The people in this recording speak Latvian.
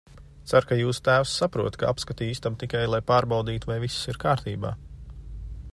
Ceru, ka jūsu tēvs saprot, ka apskatīju istabu tikai, lai pārbaudītu, vai viss kārtībā.